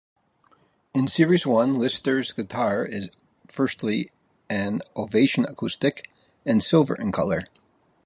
In Series I, Lister's guitar is firstly an Ovation acoustic and silver in colour.